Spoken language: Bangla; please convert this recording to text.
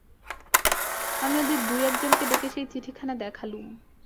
আমি ওদের দুই-একজনকে ডেকে সেই চিঠিখানা দেখালুম।